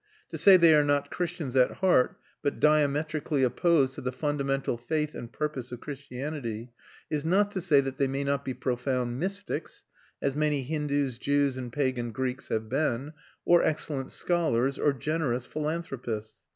To say they are not Christians at heart, but diametrically opposed to the fundamental faith and purpose of Christianity, is not to say they may not be profound mystics (as many Hindus, Jews, and pagan Greeks have been), or excellent scholars, or generous philanthropists.